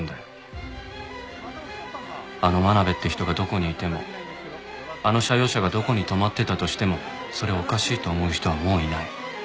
あの真鍋って人がどこにいてもあの社用車がどこに止まってたとしてもそれをおかしいと思う人はもういない。